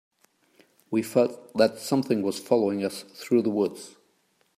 We felt that something was following us through the woods.